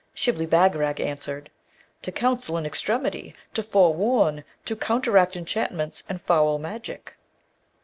Shibli Bagarag answered, 'To counsel in extremity; to forewarn; to counteract enchantments and foul magic.'